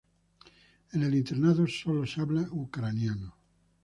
En el internado sólo se habla ucraniano.